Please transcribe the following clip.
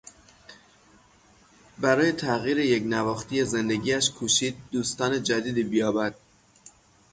برای تغییر یکنواختی زندگیاش کوشید دوستان جدیدی بیابد.